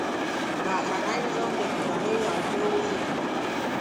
بهرنی نظام د کورنیو اړتیاوو ضد وي.